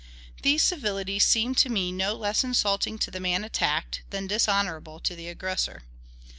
These civilities seem to me no less insulting to the man attacked than dishonorable to the aggressor.